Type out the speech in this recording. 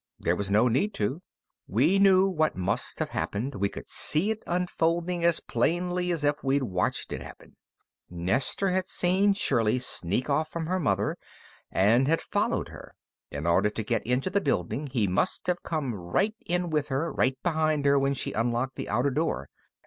There was no need to. We knew what must have happened, we could see it unfolding as plainly as if we'd watched it happen. Nestor had seen Shirley sneak off from her mother and had followed her. In order to get into the building, he must have come right in with her, right behind her when she unlocked the outer door.